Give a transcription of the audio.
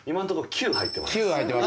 ９入ってますね。